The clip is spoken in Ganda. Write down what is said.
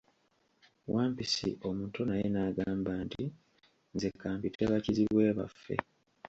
Wampisi omuto naye n'agamba nti, nze ka mpite bakizibwe baffe.